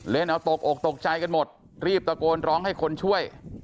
เล่นเอาตกอกตกใจกันหมดรีบตะโกนร้องให้คนช่วย